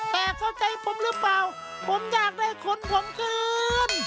แต่เข้าใจผมหรือเปล่าผมอยากได้คนผมคืน